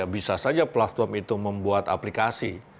bisa saja platform itu membuat aplikasi